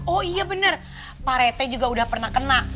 oh iya benar pak rete juga udah pernah kena